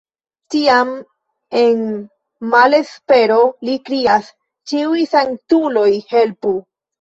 Tiam en malespero li krias: Ĉiuj sanktuloj helpu!